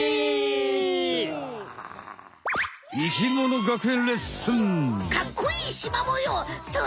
「生きもの学園レッスン」。